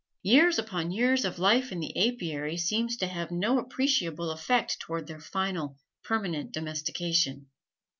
Years upon years of life in the apiary seems to have no appreciable effect towards their final, permanent domestication.